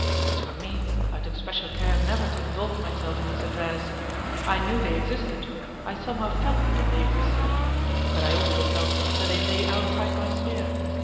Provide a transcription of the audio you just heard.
As for me, I took special care never to involve myself in these affairs. I knew they existed; I somehow felt that they existed. But I also felt that they lay outside my sphere.